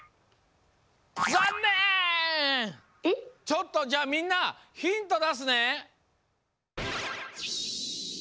ちょっとじゃあみんなヒントだすね。